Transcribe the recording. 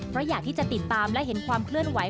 เพราะอยากที่จะติดตามและเห็นความเคลื่อนไหว